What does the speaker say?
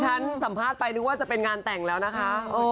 ฉันสัมภาษณ์ไปนึกว่าจะเป็นงานแต่งแล้วนะคะ